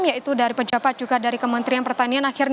yaitu dari pejabat juga dari kementerian pertanian